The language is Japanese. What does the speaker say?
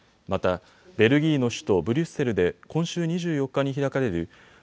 またベルギーの首都ブリュッセルで今週２４日に開かれるＧ７